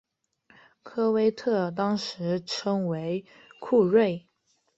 科威特当时称为库锐。